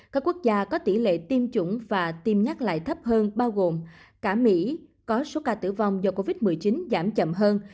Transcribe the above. các quốc gia có tỷ lệ tiêm chủng và tiêm nhắc lại thấp hơn bao gồm cả mỹ có số ca tử vong do covid một mươi chín giảm chậm hơn